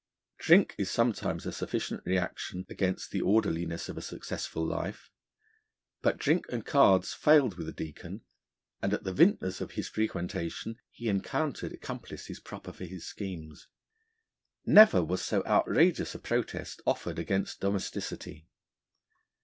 Drink is sometimes a sufficient reaction against the orderliness of a successful life. But drink and cards failed with the Deacon, and at the Vintner's of his frequentation he encountered accomplices proper for his schemes. Never was so outrageous a protest offered against domesticity.